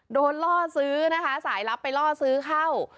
ล่อซื้อนะคะสายลับไปล่อซื้อเข้า